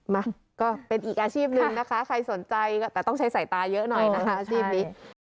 มาก็เป็นอีกอาชีพหนึ่งนะคะใครสนใจแต่ต้องใช้สายตาเยอะหน่อยนะคะอาชีพนี้